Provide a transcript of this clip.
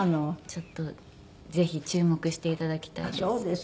ちょっとぜひ注目して頂きたいです。